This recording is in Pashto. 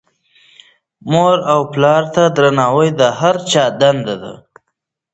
مور او پلار ته درناوی د هر چا دنده ده.